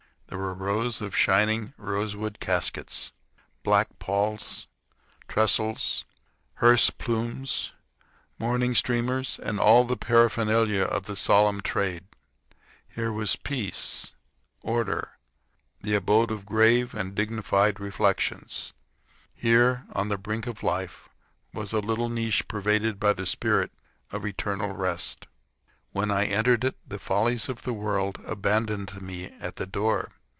There were rows of shining rosewood caskets, black palls, trestles, hearse plumes, mourning streamers, and all the paraphernalia of the solemn trade. Here was peace, order, silence, the abode of grave and dignified reflections. Here, on the brink of life, was a little niche pervaded by the spirit of eternal rest. When I entered it, the follies of the world abandoned me at the door.